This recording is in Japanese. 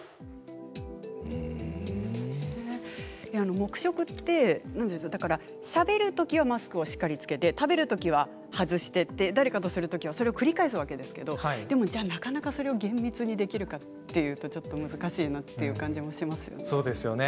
黙食って、しゃべるときはマスクをしっかり着けて食べるときは外して誰かとするときはそれを繰り返すわけですけどそれを厳密にできるかというのは難しいなっていう感じがします。